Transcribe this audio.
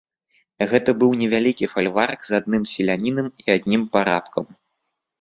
Гэта быў невялікі фальварак з адным селянінам і адным парабкам.